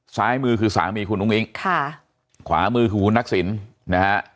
ซ้ายมือคือสามีคุณอุ้งอิ๊งค่ะขวามือคือคุณทักษิณนะฮะ